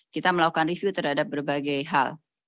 kita melakukan review terhadap berbagai hal